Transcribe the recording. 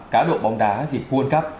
cá độ bóng đá dịp world cup